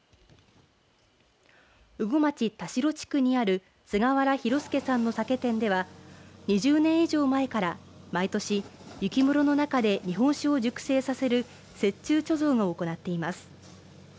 羽後町田代地区にある菅原弘助さんの酒店では２０年以上前から毎年雪室の中で日本酒を熟成させる雪中貯蔵を行っています。